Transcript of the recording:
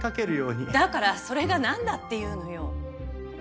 だからそれがなんだっていうのよ！